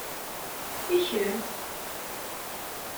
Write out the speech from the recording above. I kemm?